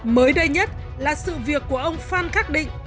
mới đây nhất là sự việc của ông phan khắc định